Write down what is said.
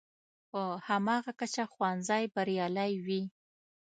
په هماغه کچه ښوونځی بریالی وي.